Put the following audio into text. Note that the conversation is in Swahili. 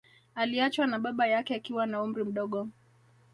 Aliachwa na baba yake akiwa na umri mdogo